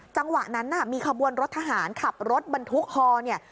จังหวะนั้นมีขบวนรถทหารขับรถบรรทุกพ่วง